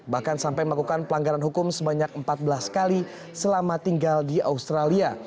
bahkan sampai melakukan pelanggaran hukum sebanyak empat belas kali selama tinggal di australia